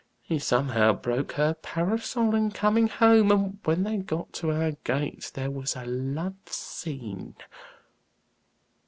He somehow broke her parasol in coming home, and when they got to our gate there was a love scene."